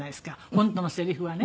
本当のセリフはね。